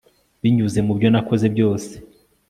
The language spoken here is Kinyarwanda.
binyuze mubyo nakoze byose